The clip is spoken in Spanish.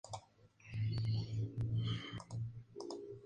Estudió en el "Shenyang Conservatory of Music".